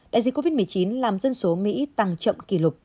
đại dịch covid một mươi chín làm dân số mỹ tăng chậm kỷ lục